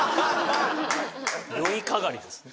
「よいかがり」ですね。